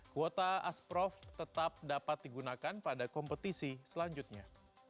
kuota asprof tetap dapat digunakan pada kompetisi selanjutnya